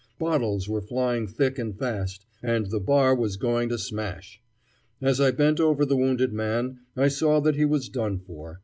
Bottles were flying thick and fast, and the bar was going to smash. As I bent over the wounded man, I saw that he was done for.